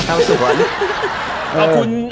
ชาวสวน